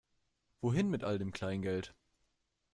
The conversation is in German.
Wohin mit all dem Kleingeld?